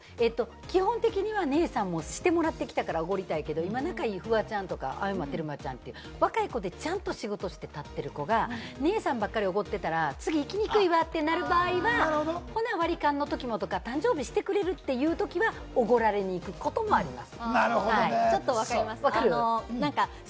基本的に、姉さんにもしてもらってきたから、おごりたいけど、仲いいフワちゃんとか青山テルマちゃん、若い子って、ちゃんと仕事して立ってる子が姉さんばかりおごってたら次いきにくいわってなる場合は、ほな割り勘の時もとか、誕生日してくれるって時は、おごられに行くこともあります。